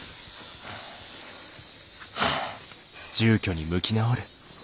はあ。